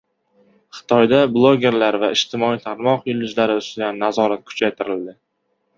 Xitoyda blogerlar va ijtimoiy tarmoq yulduzlari ustidan nazorat kuchaytirildi